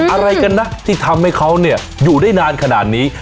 อะไรกันนะที่ทำให้เขาเนี่ยอยู่ได้นานขนาดนี้